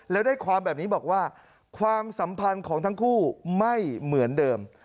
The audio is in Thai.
แล้วได้ความแบบนี้บอกว่าความสัมพันธ์ของทั้งคู่ไม่เหมือนเดิม